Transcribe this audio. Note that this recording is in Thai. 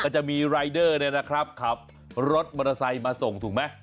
จะมีรายเดอร์เนี่ยนะครับขับรถมอเตอร์ไซค์มาส่งถูกไหม